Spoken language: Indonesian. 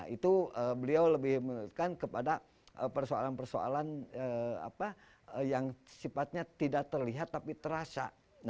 itu beliau lebih menekan kepada persoalan persoalan yang sifatnya tidak terlihat tapi terasa